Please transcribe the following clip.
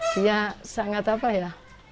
dia sangat apa ya